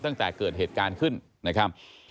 ตั้งแต่เกิดเหตุการณ์ขึ้นนะครับ